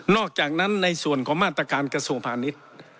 อกจากนั้นในส่วนของมาตรการกระทรวงพาณิชย์